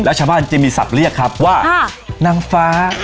แล้วชาวบ้านจะมีศัพท์เรียกครับว่านางฟ้า